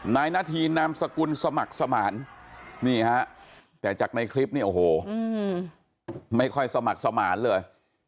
นาทีนามสกุลสมัครสมานนี่ฮะแต่จากในคลิปเนี่ยโอ้โหไม่ค่อยสมัครสมานเลย